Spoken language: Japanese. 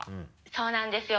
そうなんですよ